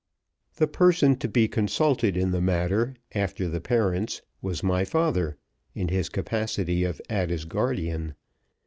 The person to be consulted in the matter, after the parents, was my father, in his capacity of Ada's guardian.